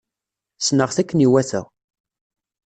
Sneɣ-t akken iwata.